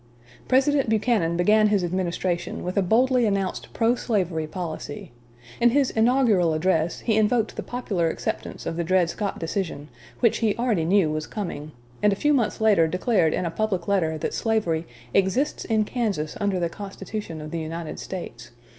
President Buchanan began his administration with a boldly announced pro slavery policy. In his inaugural address he invoked the popular acceptance of the Dred Scott decision, which he already knew was coming; and a few months later declared in a public letter that slavery "exists in Kansas under the Constitution of the United States....